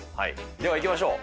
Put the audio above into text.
では、行きましょう。